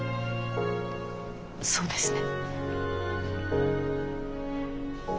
そうですね。